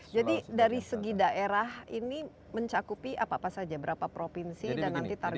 jadi dari segi daerah ini mencakupi apa apa saja berapa provinsi dan nanti targetnya